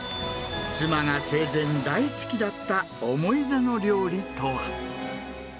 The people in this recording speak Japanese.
妻が生前大好きだった思い出の料理とは。